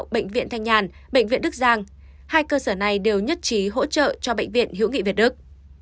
bệnh viện đức giang hai cơ sở này đều nhất trí hỗ trợ cho bệnh viện hiễu nghị việt đức